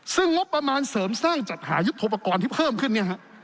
ซึ่งงบประมาณเสริมสร้างจัดหายุทธโปรกรณ์ที่เพิ่มขึ้นเนี่ยฮะ